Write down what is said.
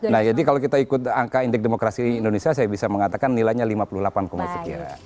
nah jadi kalau kita ikut angka indeks demokrasi indonesia saya bisa mengatakan nilainya lima puluh delapan sekian